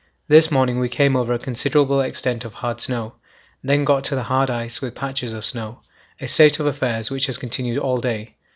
This morning we came over a considerable extent of hard snow, then got to hard ice with patches of snow; a state of affairs which has continued all day.